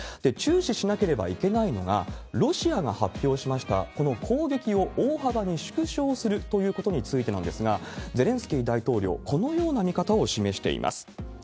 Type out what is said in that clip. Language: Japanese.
中止しなければいけないのが、ロシアが発表しましたこの攻撃を大幅に縮小するということについてなんですが、ゼレンスキー大統領、このような見方を示しています。